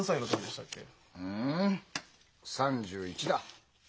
うん？３１だ。